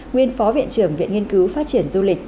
nguyên phó viện trưởng viện nghiên cứu phát triển du lịch